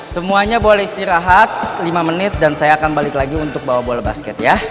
semuanya boleh istirahat lima menit dan saya akan balik lagi untuk bawa bola basket ya